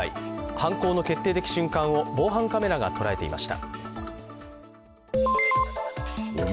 犯行の決定的瞬間を防犯カメラが捉えていました。